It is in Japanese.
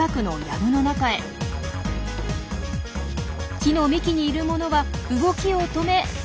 木の幹にいるものは動きを止め上空を確認。